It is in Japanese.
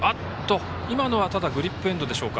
今のは、ただグリップエンドでしょうか。